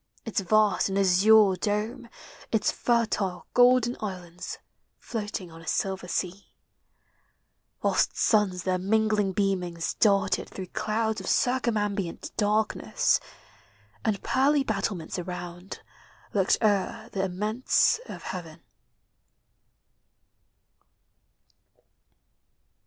Its vast and azure dome Its fertile golden islands Floating on a silver sea ; Whilst suns their mingling beamings darted Through clouds of circumambient darkness. And pearly battlements around Looked o'er the immense of heaven.